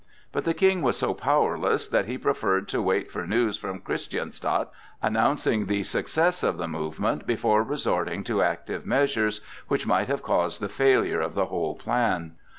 But the King was so powerless that he preferred to wait for news from Christianstadt announcing the success of the movement before resorting to active measures which might have caused the failure of the whole plan.